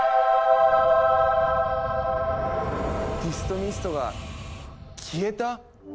ディストミストが消えた？